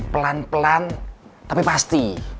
pelan pelan tapi pasti